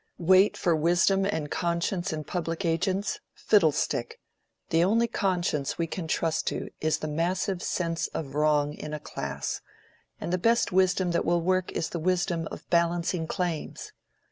Wait for wisdom and conscience in public agents—fiddlestick! The only conscience we can trust to is the massive sense of wrong in a class, and the best wisdom that will work is the wisdom of balancing claims.